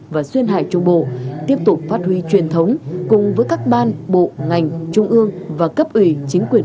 và duyên hải trung bộ tiếp tục phát huy truyền thống cùng với các ban bộ ngành trung ương và cấp ủy chính quyền